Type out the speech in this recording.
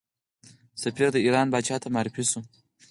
سفیر د ایران پاچا ته معرفي شو.